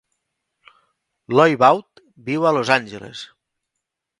Loy Vaught viu a Los Angeles.